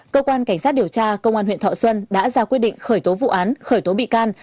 cơ quan cảnh sát điều tra công an huyện thọ xuân đã ra quyết định khởi tố vụ án khởi tố bị can